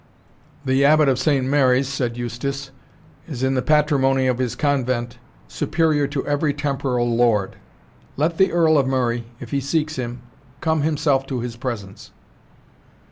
"The Abbot of Saint Mary's," said Eustace, "is, in the patrimony of his Convent, superior to every temporal lord. Let the Earl of Murray, if he seeks him, come himself to his presence."